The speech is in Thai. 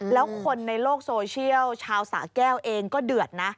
แล้วคนในโลกโซเชียลชาวสะแก้วเองก็เดือดนะ